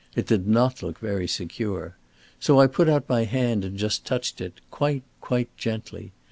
It did not look very secure. So I put out my hand and just touched it quite, quite gently.